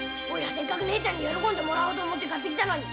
姉ちゃんに喜んでもらおうと思って買ってきたのに。